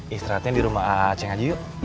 istirahatnya di rumah aceh ngaji yuk